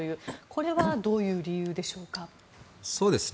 これはどういう理由でしょうか。